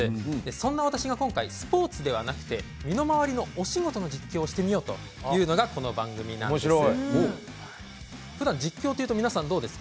そんな私が今回スポーツではなく身の回りのお仕事の実況してみようというのがこの番組です。